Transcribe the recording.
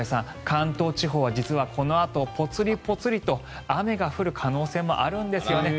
関東地方は実はこのあとぽつりぽつりと雨が降る可能性もあるんですよね。